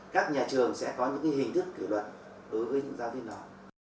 các nhà trường sẽ có những hình thức kỷ luật đối với những giáo viên đó